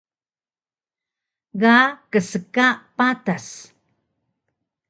Ga kska patas